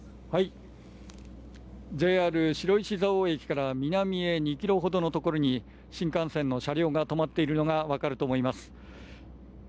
ＪＲ白石蔵王駅から南へ２ｋｍほどのところに新幹線の車両が止まっているのが分かると思います。